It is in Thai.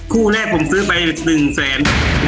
คู่แรกผมซื้อไป๑แสน